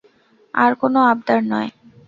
আর কোনো আবদার নয়।